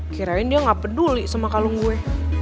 kirain dia gak peduli sama kalung gue